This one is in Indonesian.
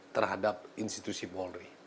terhadap institusi polri